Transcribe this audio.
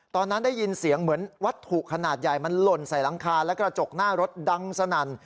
ตอนนั้นได้ยินเสียงเหมือนวัตถุขนาดใหญ่มันหล่นใส่หลังคาและกระจกหน้ารถดังสนั่น